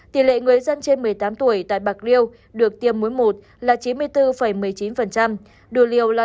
tỷ lệ người dân trên một mươi tám tuổi tại bạc liêu được tiêm mối một là chín mươi bốn một mươi chín đủ liều là năm mươi năm chín